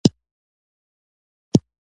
اکثره جګړه مار فرصت طلبان فکر کوي.